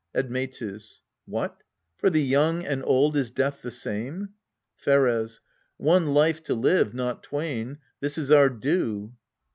Admctus. What, for the young and old is death the same? Pheres. One life to live, not twain this is our due.